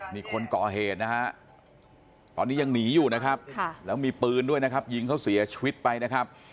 นี่คนก่อเหตุนะฮะตอนนี้ยังหนีอยู่นะครับแล้วมีปืนด้วยนะครับยิงเขาเสียชีวิตไปนะครับ